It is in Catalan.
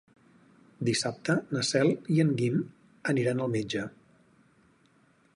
Dissabte na Cel i en Guim aniran al metge.